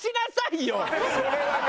それはね。